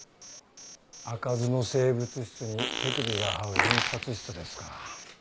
「あかずの生物室」に「手首が這う印刷室」ですか。